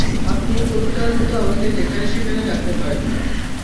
আপনি পতিতার মতো আমাকে যেখানে-সেখানে ডাকতে পারেন না।